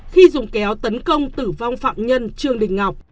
khi dùng kéo tấn công tử vong phạm nhân trương đình ngọc